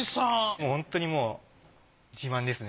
もうホントにもう自慢ですね。